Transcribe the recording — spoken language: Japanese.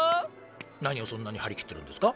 何をそんなに張り切ってるんですか？